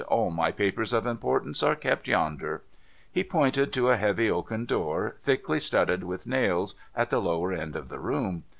' All my papers of importance are kept yonder.' He pointed to a heavy oaken door, thickly studded with nails, at the lower end of the room.